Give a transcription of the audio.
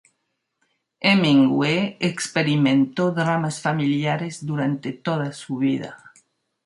Hemingway experimentó dramas familiares durante toda su vida.